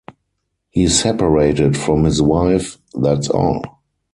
He separated from his wife, that’s all.